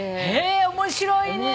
面白いね。